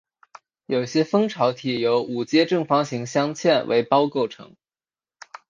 有一些蜂巢体由五阶正方形镶嵌为胞构成